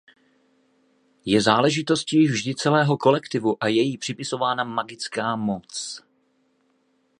Je záležitostí vždy celého kolektivu a je jí připisována magická moc.